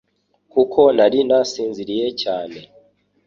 kuko nari nasinziriye cyane